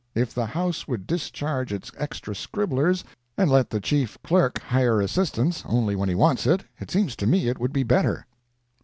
If the House would discharge its extra scribblers, and let the Chief Clerk hire assistance only when he wants it, it seems to me it would be better.